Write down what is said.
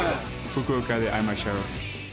福岡で会いましょう。